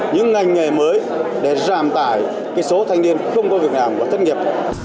những ngành nghề mới để giảm tải số thanh niên không có việc làm và thất nghiệp